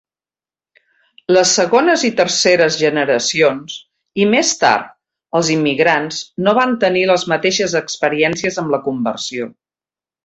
Les segones i terceres generacions, i més tard els immigrants, no van tenir les mateixes experiències amb la conversió.